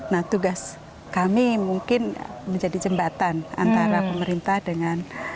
nah tugas kami mungkin menjadi jembatan antara pemerintah dengan